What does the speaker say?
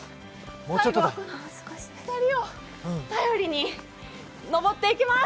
最後のくさりを頼りに登っていきます。